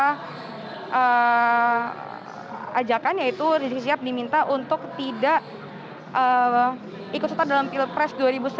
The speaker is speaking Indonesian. dan mereka ajakannya itu rizik syihab diminta untuk tidak ikut setar dalam pilpres dua ribu sembilan